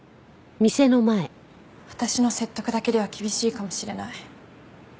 私の説得だけでは厳しいかもしれない。